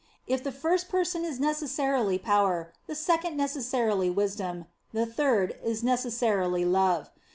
If the First Person is necessarily Power, the Second necessarily Wisdom, the Third is necessarily Love.